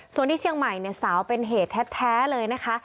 ส่วนที่เชียงใหม่เนี่ยสาวเป็นเหตุแท้เลยนะคะ